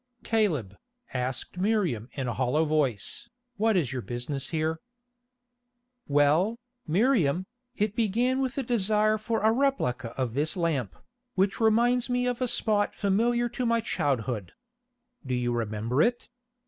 "Caleb," asked Miriam in a hollow voice, "what is your business here?" "Well, Miriam, it began with a desire for a replica of this lamp, which reminds me of a spot familiar to my childhood. Do you remember it?